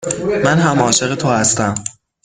من هم عاشق تو هستم.